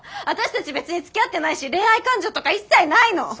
私たち別につきあってないし恋愛感情とか一切ないの！